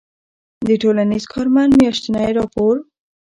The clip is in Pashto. د ټـولنیـز کارمنــد میاشتنی راپــور